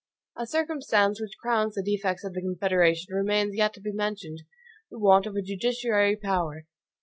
A circumstance which crowns the defects of the Confederation remains yet to be mentioned, the want of a judiciary power.